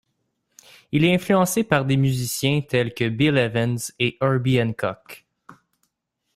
Il est influencé par des musiciens tels que Bill Evans et Herbie Hancock.